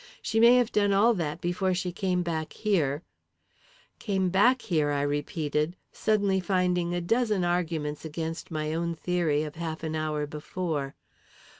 She may have done all that before she came back here " "Came back here?" I repeated, suddenly finding a dozen arguments against my own theory of half an hour before.